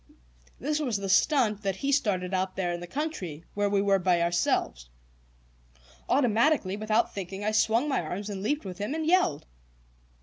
This was the "stunt" that he started out there in the country, where we were by ourselves. Automatically, without thinking, I swung my arms and leaped with him and yelled.